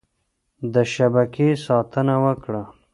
د شبکې ساتنه وکړه.